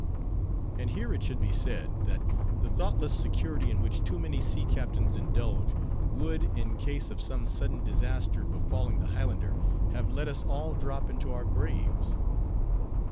And here it should be said, that the thoughtless security in which too many sea captains indulge, would, in case of some sudden disaster befalling the Highlander, have let us all drop into our graves.